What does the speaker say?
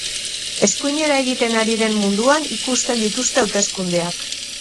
Eskuinera egiten ari den munduan ikusten dituzte hauteskundeak.